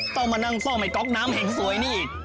ก็มานั่งทร่องไอ้ก๊อกน้ำแห่งสวยนี่